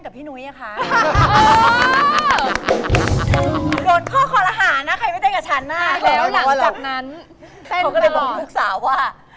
เขาก็เลยบอกลูกสาวว่า